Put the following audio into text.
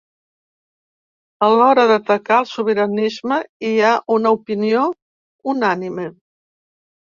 A l’hora d’atacar el sobiranisme hi ha una opinió unànime.